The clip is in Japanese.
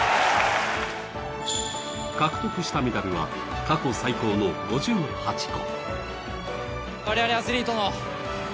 獲得したメダルは過去最高の５８個。